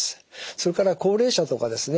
それから高齢者とかですね